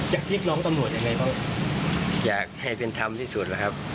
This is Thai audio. อยากที่น้องตำรวจยังไงบ้างอยากให้เป็นทำที่สุดแหละครับ